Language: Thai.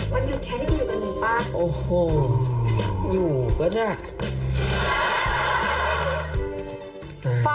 มันหยุดแค่ที่มิรสมันอยู่อยู่ป่ะ